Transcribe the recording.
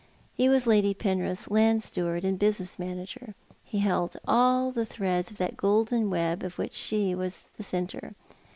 He was Lady Penrith's land steward and business manager. He held all the threads of that golden web of which she was the centre.